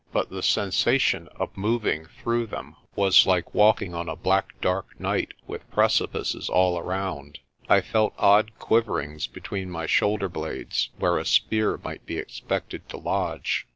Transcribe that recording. But the sensation of moving through them was like walking on a black dark night with precipices all around. I felt odd quiverings between my shoulder blades where a spear might be expected to lodge.